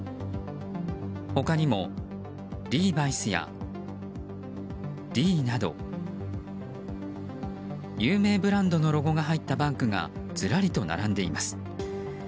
他にもリーバイスやリーなど有名ブランドのロゴが入ったバッグがずらりと並んでいます。